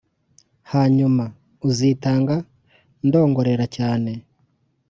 hanyuma: "uzitanga?" ndongorera cyane,